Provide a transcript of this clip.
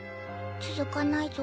続かないぞ。